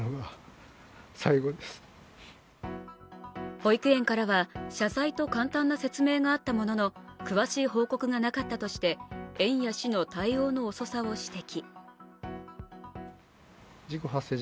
保育園からは謝罪と簡単な説明があったものの詳しい報告がなかったとして園や市の対応の遅さを指摘。